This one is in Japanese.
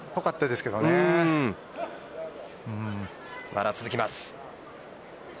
まだ続きます。